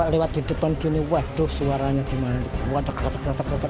lewat di depan gini waduh suaranya gimana waduh kata kata